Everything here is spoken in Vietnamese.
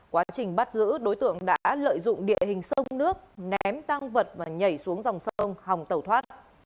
quá trình bắt giữ đối tượng đã lợi dụng địa hình sông nước ném tăng vật và nhảy xuống dòng sông hòng tẩu thoát